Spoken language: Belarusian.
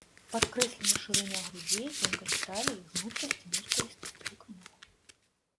Падкрэслены шырыня грудзей, тонкасць таліі, гнуткасць і мускулістасць рук і ног.